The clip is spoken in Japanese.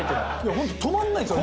本当止まんないんですよ。